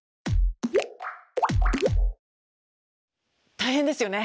大変ですよね。